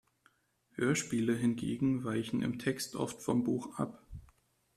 Hörspiele hingegen weichen im Text oft vom Buch ab.